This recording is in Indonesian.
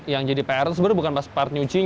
yang jadi parent sebenarnya bukan pas part nyuci